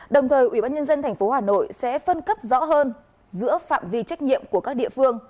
đồng thời ủy ban nhân dân tp hà nội sẽ phân cấp rõ hơn giữa phạm vi trách nhiệm của các địa phương